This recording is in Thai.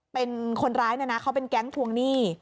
เป็นคนร้ายเนี่ยนะเขาเป็นแก๊งทวงหนี้